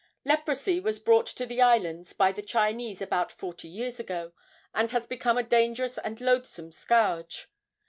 Leprosy was brought to the islands by the Chinese about forty years ago, and has become a dangerous and loathsome scourge.